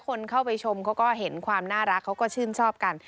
คนเข้าไปชมเขาก็เห็นความน่ารักเขาก็ชื่นชอบกัน